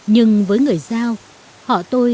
nhưng với người dao họ tôi